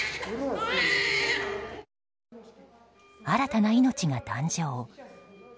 新たな命が誕生。